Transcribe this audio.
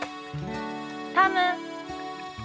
タム！